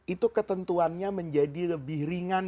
itu ketentuannya menjadi lebih ringan